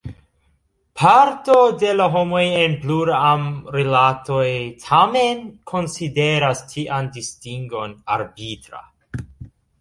Parto de la homoj en pluram-rilatoj tamen konsideras tian distingon arbitra.